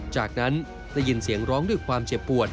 จากนั้นได้ยินเสียงร้องด้วยความเจ็บปวด